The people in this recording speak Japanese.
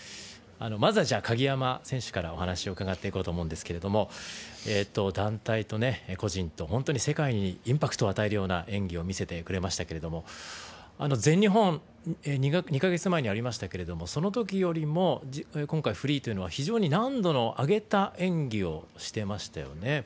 まずは、じゃあ鍵山選手からお話を伺っていこうと思いますが団体と個人と本当に世界にインパクトを与えるような演技を見せてくれましたが全日本、２か月前にありましたがそのときよりも今回フリーというのは非常に難度の上げた演技をしてましたよね。